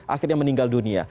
akhirnya meninggal dunia